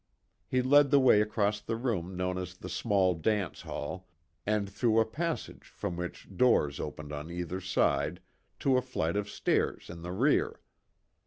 He led the way across the room known as the small dance hall, and through a passage from which doors opened on either side, to a flight of stairs in the rear.